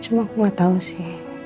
cuma aku nggak tahu sih